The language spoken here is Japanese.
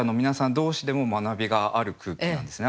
同士でも学びがある空気なんですね